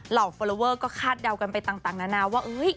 เหล่าฟอลลอเวอร์ก็คาดเดาไปต่างนานาว่า